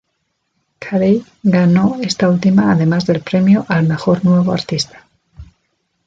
Carey ganó esta última además del premio al "Mejor nuevo artista".